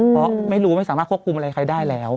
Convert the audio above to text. เพราะไม่รู้ไม่สามารถควบคุมอะไรใครได้แล้ว